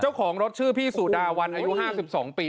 เจ้าของรถชื่อพี่สุดาวันอายุ๕๒ปี